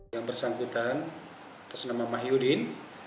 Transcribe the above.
yang bersangkutan atas nama mahyudin